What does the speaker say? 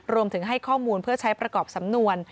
รวมถึงให้ข้อมูลเพื่อใช้ประกอบสำนวน